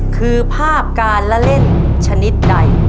คือภาพการละเล่นชนิดใด